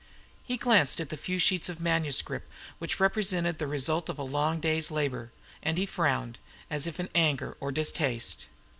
He glanced at the few sheets of manuscript which represented the result of a long day's labour, and he frowned, as if in anger or distaste.